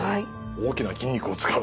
大きな筋肉を使う。